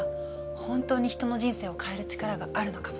本当に人の人生を変える力があるのかも。